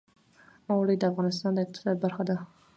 اوړي د افغانستان د اقتصاد برخه ده.